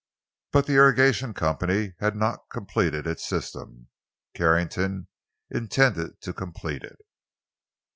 But the irrigation company had not completed its system. Carrington intended to complete it.